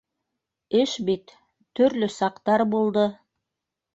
Эш бит... төрлө саҡтар булды.